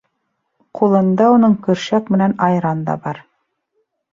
Ҡулында уның көршәк менән айран да бар.